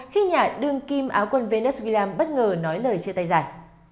khi nhà đường kim áo quần venus william bất ngờ nói lời chia tay giải